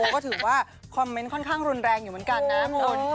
ก็ถือว่าคอมเมนต์ค่อนข้างรุนแรงอยู่เหมือนกันนะคุณ